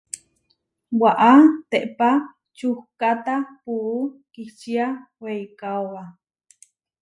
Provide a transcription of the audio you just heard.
Waʼá téʼpa čukkata puú kihčia weikaóba.